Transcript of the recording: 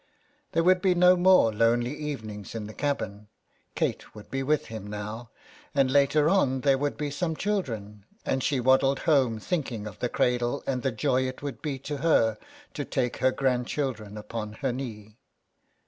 There would be no more lonely evenings in the cabin ; Kate would be with him now, and later on there would be some children, and she waddled home thinking of the cradle and the joy it would be to her to take her grandchildren upon her knee.